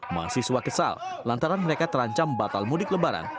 mahasiswa kesal lantaran mereka terancam batal mudik lebaran